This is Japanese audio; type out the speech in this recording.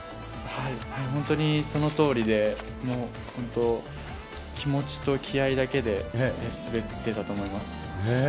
本当にそのとおりで、もう本当、気持ちと気合いだけで滑ってたと思います。